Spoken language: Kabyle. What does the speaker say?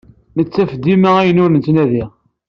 Nettaf dima ayen ur nettnadi.